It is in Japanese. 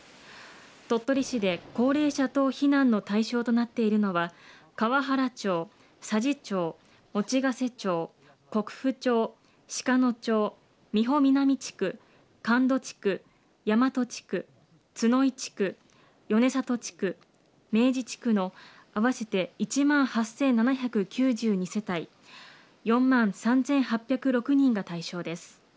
鳥取市で高齢者等避難の対象となっているのは、河原町、佐治町、用瀬町、国府町、鹿野町、美保南地区、神戸地区、大和地区、津ノ井地区、米里地区、明治地区の、合わせて１万８７９２世帯、４万３８０６人が対象です。